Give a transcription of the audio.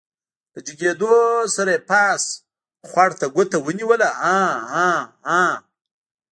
له جګېدو سره يې پاس خوړ ته ګوته ونيوله عاعاعا.